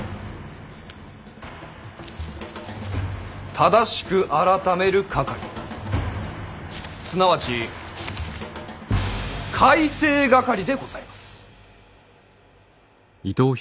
正しく改める掛すなわち改正掛でございます！